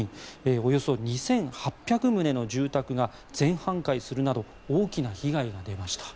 およそ２８００棟の住宅が全半壊するなど大きな被害が出ました。